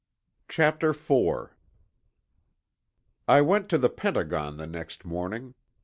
CHAPTER IV I went to the Pentagon the next morning.